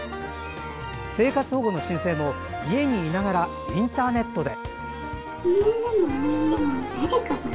生活保護の申請も家にいながら、インターネットで。